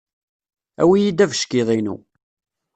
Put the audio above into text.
Awi-iyi-d abeckiḍ-inu.